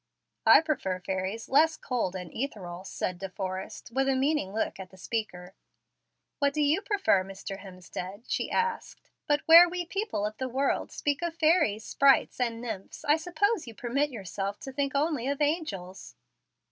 "I prefer fairies less cold and ethereal," said De Forrest, with a meaning look at the speaker. "What do you prefer, Mr. Hemstead?" she asked. "But where we people of the world speak of fairies, sprites, and nymphs, I suppose you permit yourself to think only of angels."